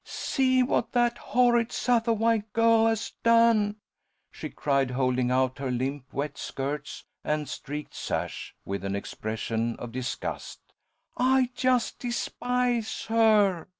"See what that horrid Sattawhite girl has done!" she cried, holding out her limp wet skirts, and streaked sash, with an expression of disgust. I just despise her!"